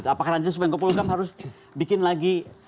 apakah menjadikan menko polhukam harus bikin lagi